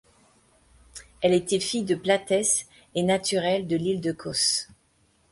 Elle était fille de Platès et naturelle de l'île de Kos.